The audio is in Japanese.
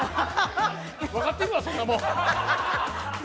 分かってるわ、そんなもん。